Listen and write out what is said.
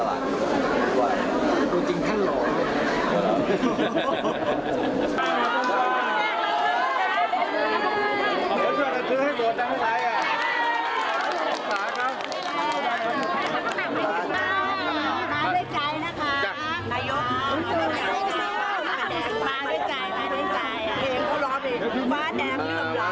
มาด้วยใจนะคะมารับนายก